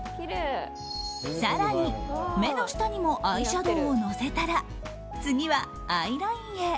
更に、目の下にもアイシャドーを乗せたら次はアイラインへ。